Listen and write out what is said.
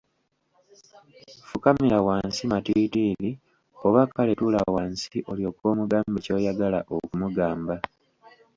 Fukamira wansi matiitiri oba kale tuula wansi olyoke omugambe ky'oyagala okumugamba.